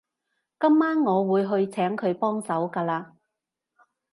今晚我會去請佢幫手㗎喇